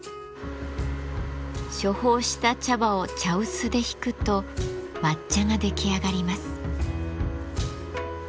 処方した茶葉を茶臼でひくと抹茶が出来上がります。